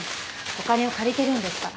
お金を借りてるんですから。